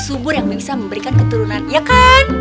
subur yang bisa memberikan keturunan ya kan